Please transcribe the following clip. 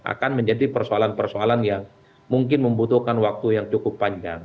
akan menjadi persoalan persoalan yang mungkin membutuhkan waktu yang cukup panjang